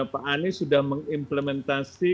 pak anies sudah mengimplementasi